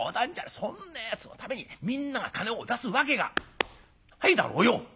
そんなやつのためにみんなが金を出すわけがないだろうよ！」。